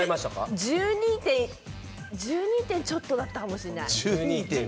１２秒ちょっとだったかもしれない。